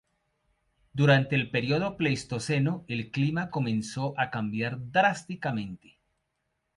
Durante el periodo Pleistoceno, el clima comenzó a cambiar drásticamente.